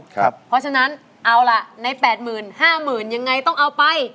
เพราะฉะนั้นเอาล่ะใน๘๕๐๐๐ยังไงต้องเอาไป